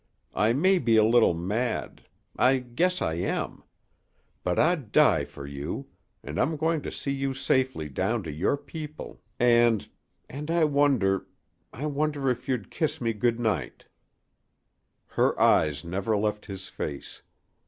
"I may be a little mad. I guess I am. But I'd die for you, and I'm going to see you safely down to your people and and I wonder I wonder if you'd kiss me good night " Her eyes never left his face.